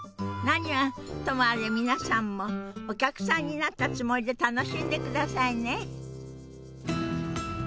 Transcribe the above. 何はともあれ皆さんもお客さんになったつもりで楽しんでくださいね。